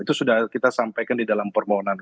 itu sudah kita sampaikan di dalam permohonan